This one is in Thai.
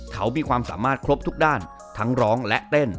เขามีความสามารถครบทุกด้านทั้งร้องและเต้น